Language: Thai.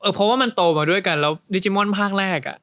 โบเคมอนมาด้วยกันแล้วดิจิมอนภาคแรก